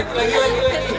lintur cantik banget